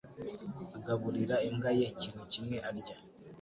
Agaburira imbwa ye ikintu kimwe arya.